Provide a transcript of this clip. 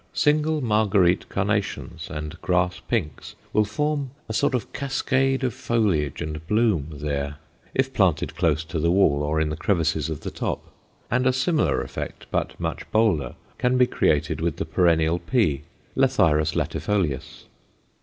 Single Marguerite carnations and grass pinks will form a sort of cascade of foliage and bloom there if planted close to the wall or in the crevices of the top, and a similar effect, but much bolder, can be created with the perennial pea (Lathyrus latifolius).